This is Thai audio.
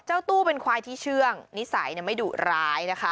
เจ้าตู้เป็นควายที่เชื่องนิสัยไม่ดุร้ายนะคะ